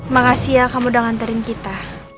makasih ya kamu udah nganterin kita